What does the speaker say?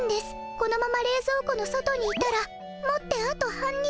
このままれいぞう庫の外にいたらもってあと半日。